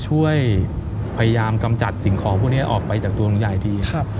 ช่วยพยายามกำจัดสิ่งของพวกนี้ออกไปจากตัวลุงยายที